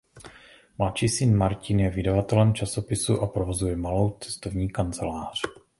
Mladší syn Martin je vydavatelem časopisu a provozuje malou cestovní kancelář.